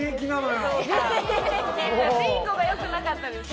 ビンゴがよくなかったですね。